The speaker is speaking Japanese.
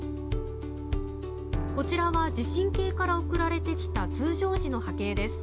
こちらは地震計から送られてきた通常時の波形です。